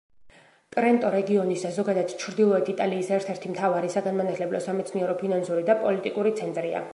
ტრენტო რეგიონის და ზოგადად ჩრდილოეთ იტალიის ერთ-ერთი მთავარი საგანმანათლებლო, სამეცნიერო, ფინანსური და პოლიტიკური ცენტრია.